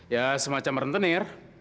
ya semacam rentenir